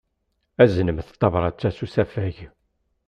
Aznemt tabṛat-a s usafag.